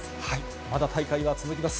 まだ大会は続きます。